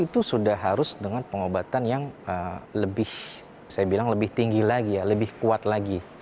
itu sudah harus dengan pengobatan yang lebih saya bilang lebih tinggi lagi ya lebih kuat lagi